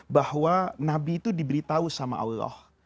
bahwa nabi itu diberitahu sama allah